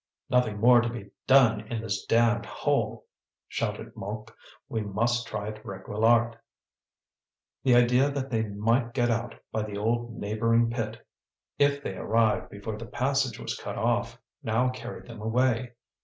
"Nothing more to be done in this damned hole!" shouted Mouque. "We must try at Réquillart." The idea that they might get out by the old neighbouring pit if they arrived before the passage was cut off, now carried them away.